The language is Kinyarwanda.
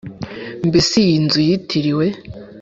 Mbese iyi nzu yitiriwe